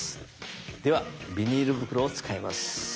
ではビニール袋を使います。